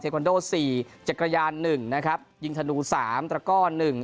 คอนโดสี่จักรยานหนึ่งนะครับยิงธนูสามตระก้อนหนึ่ง